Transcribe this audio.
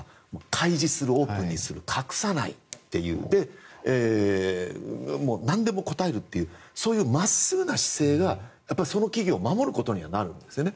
開示する、オープンにする隠さないといってなんでも答えるというそういう真っすぐな姿勢がその企業を守ることになるんですよね。